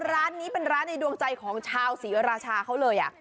ร้านนี้เป็นร้านในดวงใจของชาวศรีราชาเขาเลย